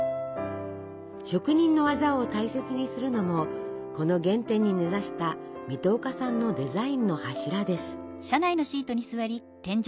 職人の技を大切にするのもこの原点に根ざした水戸岡さんのデザインの柱です。